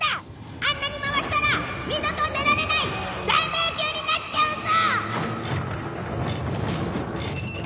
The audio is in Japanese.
あんなに回したら二度と出られない大迷宮になっちゃうぞ！